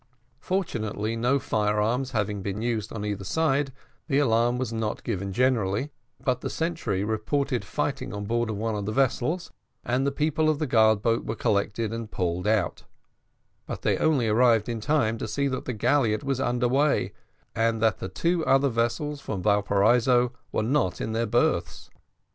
Fortunately, no fire arms having been used on either side, the alarm was not given generally, but the sentry reported fighting on board one of the vessels, and the people of the guard boat were collected, and pulled out; but they only arrived in time to see that the galliot was under way, and that the two other vessels from Valparaiso were not in their berths.